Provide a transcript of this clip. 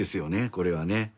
これはね。